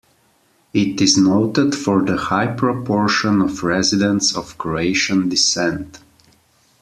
It is noted for the high proportion of residents of Croatian descent.